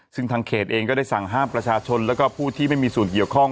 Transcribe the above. ซึ่งทางเขตเองก็ได้สั่งห้ามประชาชนแล้วก็ผู้ที่ไม่มีส่วนเกี่ยวข้อง